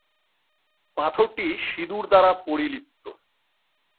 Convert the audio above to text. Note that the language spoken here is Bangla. পাথরটি সিঁদুর দ্বারা পরিলিপ্ত।